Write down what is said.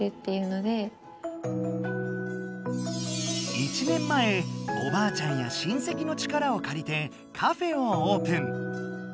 １年前おばあちゃんや親せきの力をかりてカフェをオープン。